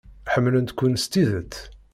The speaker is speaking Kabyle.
Ḥemmlent-ken s tidet.